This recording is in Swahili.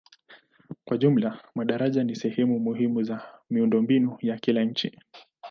Kwa jumla madaraja ni sehemu muhimu za miundombinu ya kila nchi.